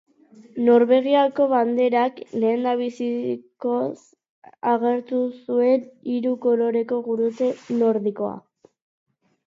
Norvegiako banderak lehendabizikoz agertu zuen hiru koloreko Gurutze Nordikoa.